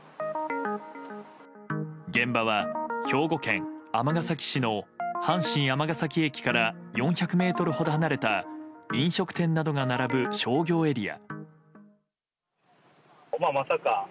現場は兵庫県尼崎市の阪神尼崎駅から４００ｍほど離れた飲食店などが並ぶ商業エリア。